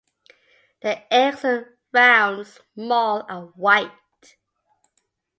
The eggs are round, small, and white.